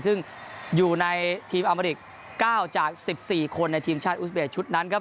ซึ่งอยู่ในทีมอาเมริก๙จาก๑๔คนในทีมชาติอุสเบสชุดนั้นครับ